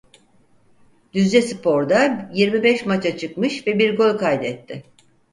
Düzcespor'da yirmi beş maça çıkmış ve bir gol kaydetti.